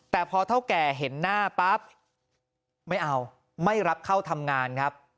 แต่พอเท่าแก่เห็นหน้าปั๊บไม่เอาไม่รับเข้าทำงานครับ